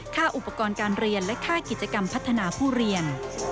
ค่าอุปกรณ์การเรียนและค่ากิจกรรมพัฒนาผู้เรียน